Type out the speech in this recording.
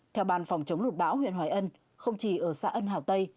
theo bàn phòng chống lụt bão huyện hoài ân không chỉ ở xã ân hảo tây